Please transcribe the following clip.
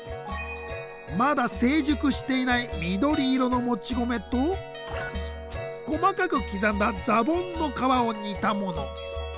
まだ成熟していない緑色のもち米と細かく刻んだザボンの皮を煮たもの。